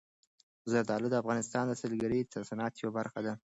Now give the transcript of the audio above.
زردالو د افغانستان د سیلګرۍ د صنعت یوه برخه ده.